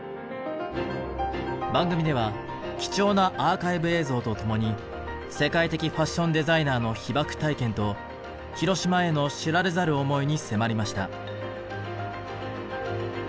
番組では貴重なアーカイブ映像と共に世界的ファッションデザイナーの被爆体験と広島への知られざる思いに迫りました。